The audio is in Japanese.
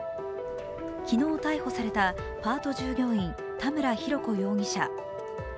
昨日逮捕されたパート従業員田村浩子容疑者。